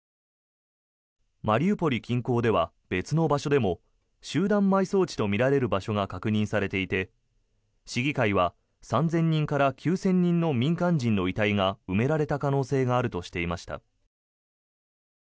マリウポリ近郊では別の場所でも集団埋葬地とみられる場所が確認されていて市議会は３０００人から９０００人の民間人の遺体が埋められた可能性があるとしていました。